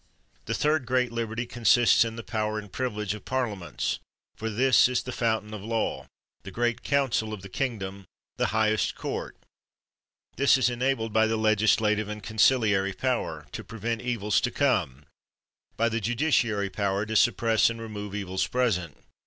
The third great liberty consists in the power and privilege of parliaments; for this is the fountain of law, the great council of the king dom, the highest court; this is enabled by the legislative and conciliary power, to prevent evils to come ; by the judiciary power, to suppress and remove evils present.